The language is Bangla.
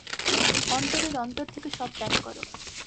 অন্তরের অন্তর থেকে সব ত্যাগ কর।